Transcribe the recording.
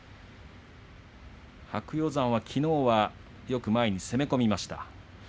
白鷹山は、きのう前によく攻め込みました。